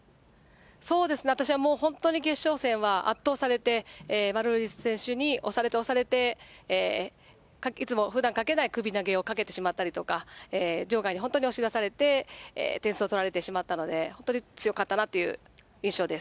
そうですね、私は本当に、決勝戦は圧倒されて、マルーリス選手に押されて押されて、いつも、ふだんかけない首投げをかけてしまったりとか、場外に本当に押し出されて、点数を取られてしまったので、本当に強かったなっていう印象です。